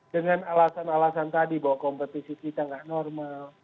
dengan alasan alasan tadi bahwa kompetisi kita tidak normal